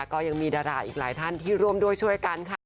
ก็ยังมีดาราอีกหลายท่านที่ร่วมด้วยช่วยกันค่ะ